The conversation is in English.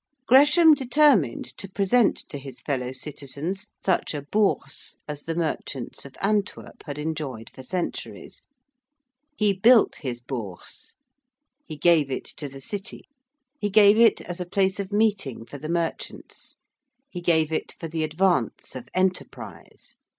Gresham determined to present to his fellow citizens such a Bourse as the merchants of Antwerp had enjoyed for centuries. He built his Bourse; he gave it to the City: he gave it as a place of meeting for the merchants: he gave it for the advance of enterprise.